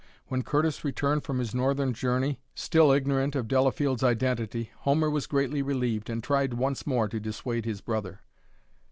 When Curtis returned from his northern journey, still ignorant of Delafield's identity, Homer was greatly relieved, and tried once more to dissuade his brother.